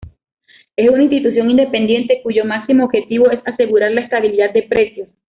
Es una institución independiente cuyo máximo objetivo es asegurar la estabilidad de precios.